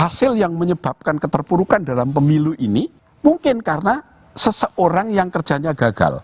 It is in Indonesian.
dan hasil yang menyebabkan keterpurukan dalam pemilu ini mungkin karena seseorang yang kerjanya gagal